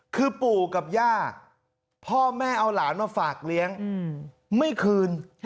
คือปู่กับย่าพ่อแม่เอาหลานมาฝากเลี้ยงไม่คืน